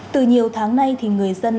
từ nhiều tháng nay thì người dân